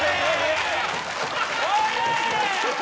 おい！